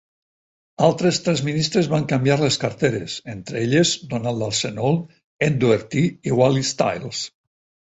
Altres tres ministres van canviar les carteres, entre elles: Donald Arseneault, Ed Doherty i Wally Stiles.